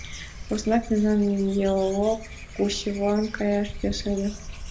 Поснак мемнан геолог Гусевлан каяш йӧсӧ ыле.